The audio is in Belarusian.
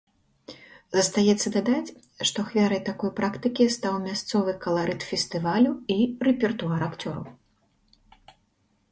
Застаецца дадаць, што ахвярай такой практыкі стаў мясцовы каларыт фестывалю і рэпертуар акцёраў.